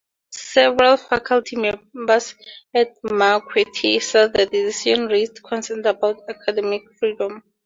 Several faculty members at Marquette said the decision raised concerns about academic freedom.